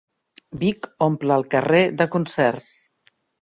Vic omple el carrer de concerts